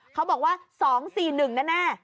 เขาบอกว่า๒๔๑แน่